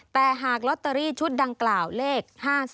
แต่หากลอตเตอรี่ชุดดังกล่าวเลข๕๓